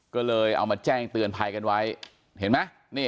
ก็เลยเอามาแจ้งเตือนภัยกันไว้เห็นไหม